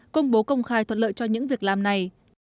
công bố công khai thuận lợi cho những việc làm này